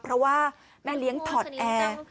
เพราะว่าแม่เลี้ยงถอดแอร์